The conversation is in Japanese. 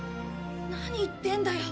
何言ってんだよ！